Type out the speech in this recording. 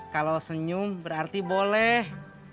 kalau senyum berarti boleh